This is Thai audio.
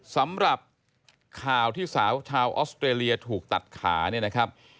สำหรับข่าวที่ชาวออสเตรเลียถูกตัดขา